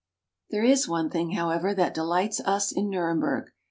There is one thing, however, that delights us in Nurem berg.